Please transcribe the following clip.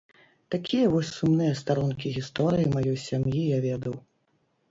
Такія вось сумныя старонкі гісторыі маёй сям'і я ведаў.